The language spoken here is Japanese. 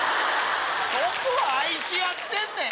そこは愛し合ってんねん。